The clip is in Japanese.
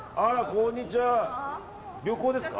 こんにちは、旅行ですか？